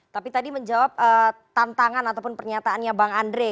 tapi tadi menjawab tantangan ataupun pernyataannya bang andre